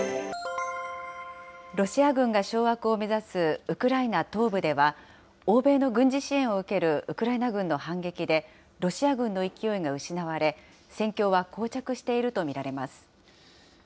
ロシア軍が掌握を目指すウクライナ東部では、欧米の軍事支援を受けるウクライナ軍の反撃で、ロシア軍の勢いが失われ、戦況はこう着していると見られます。